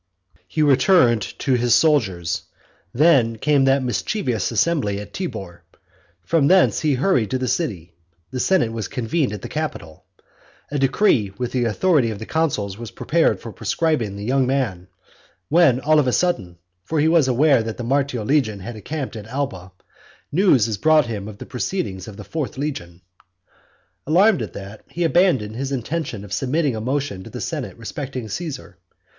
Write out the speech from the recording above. He returned to his soldiers; then came that mischievous assembly at Tibur. From thence he hurried to the city; the senate was convened at the Capitol. A decree with the authority of the consuls was prepared for proscribing the young man; when all on a sudden (for he was aware that the Martial legion had encamped at Alba) news is brought him of the proceedings of the fourth legion. Alarmed at that, he abandoned his intention of submitting a motion to the senate respecting Caesar.